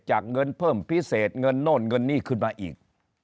เงินเพิ่มพิเศษเงินโน่นเงินนี่ขึ้นมาอีก